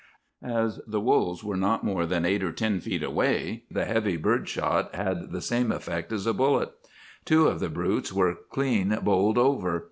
"As the wolves were not more than eight or ten feet away, the heavy bird shot had the same effect as a bullet. Two of the brutes were clean bowled over.